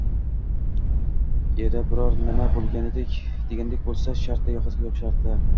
Eri biror nima degudek bo`lsa, shartta yoqasiga yopishtiradi